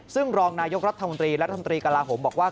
ซึ่งรองนายกรัฐมนตรีและรัฐมนตรีกระลาฮมบอกว่า